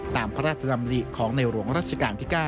ตามพระราชดำริของในหลวงรัชกาลที่๙